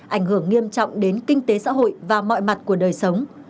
ảnh hưởng nghiêm trọng đến kinh tế xã hội và mọi mặt của đời sống